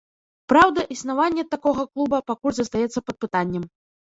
Праўда, існаванне такога клуба пакуль застаецца пад пытаннем.